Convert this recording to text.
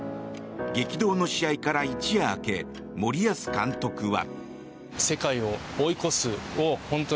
激動の試合から一夜明け森保監督は。